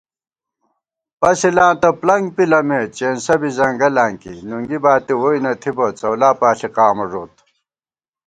پسِلاں تہ پۡلنگ پِلَمېت چېنسہ بی ځنگلاں کی * نُنگی باتی ووئی نہ تِھبہ څؤلاپاݪی قامہ ݫوت